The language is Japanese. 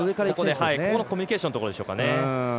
ここのコミュニケーションのところでしょうかね。